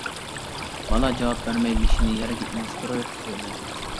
بالا جاۋاب بەرمەي بېشىنى يەرگە ئېڭىشتۈرۈپ تۇردى.